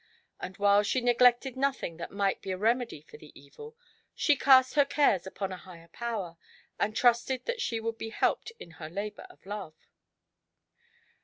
— and while she neglected nothing that might be a remedy for the evil, she cast her cares upon a higher Power, and trusted that she would be helped in her labour of love.